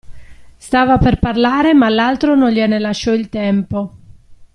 Stava per parlare, ma l'altro non gliene lasciò il tempo.